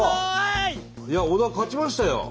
いや小田勝ちましたよ。